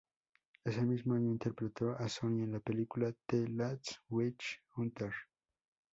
Ese mismo año interpretó a Sonia en la película "The Last Witch Hunter".